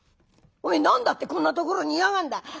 お前何だってこんなところにいやがんだ。